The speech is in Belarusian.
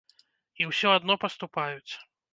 І ўсё адно паступаюць!